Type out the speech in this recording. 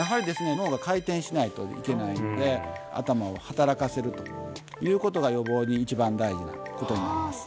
脳が回転しないといけないので頭を働かせるということが予防に一番大事なことになります